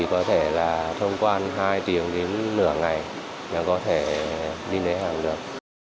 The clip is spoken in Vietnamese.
có thể là thông quan hai tiếng đến nửa ngày là có thể đi lấy hàng được